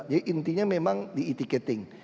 jadi intinya memang di e ticketing